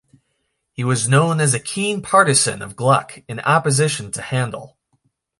He was known as a keen partisan of Gluck in opposition to Handel.